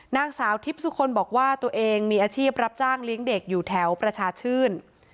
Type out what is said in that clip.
นางสาวทิพย์สุคลบอกว่าตัวเองมีอาชีพรับจ้างเลี้ยงเด็กอยู่แถวประชาชื่น